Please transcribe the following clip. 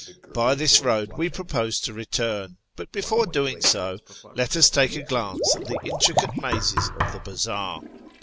By this road we propose to return ; but before doing so, let us take a crlance at the intricate mazes of the bazaar.